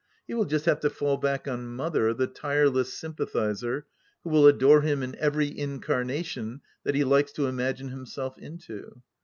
He will just have to fall back on Mother, the tireless sympathizer, who will adore him in every incarnation that he likes to imagine himself into.